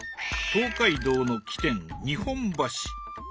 東海道の起点日本橋。